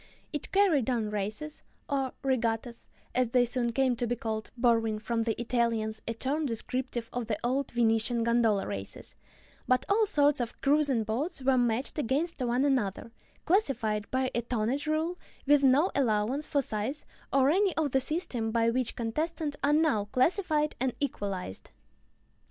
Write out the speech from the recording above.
It carried on races, or regattas, as they soon came to be called (borrowing from the Italians a term descriptive of the old Venetian gondola races), but all sorts of cruising boats were matched against one another, classified by a tonnage rule with no allowances for size or any of the systems by which contestants are now classified and equalized.